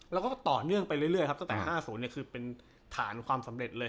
แล้วก็ต่อเนื่องไปเรื่อยครับตั้งแต่๕๐คือเป็นฐานความสำเร็จเลย